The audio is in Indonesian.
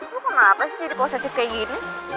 ini kenapa sih jadi posesif kayak gini